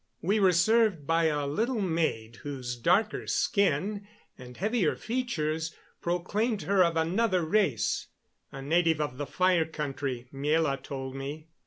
We were served by a little maid whose darker skin and heavier features proclaimed her of another race a native of the Fire Country, Miela told me.